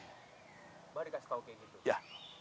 coba dikasih tahu kayak gitu